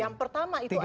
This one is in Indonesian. yang pertama itu adalah